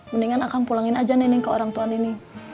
mendingan kang pulangin aja nenek ke orangtua nenek